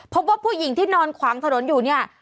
พบว่าผู้หญิงที่นอนขวางถนนอยู่เนี่ย